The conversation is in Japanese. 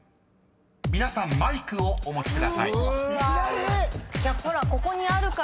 ［皆さんマイクをお持ちください］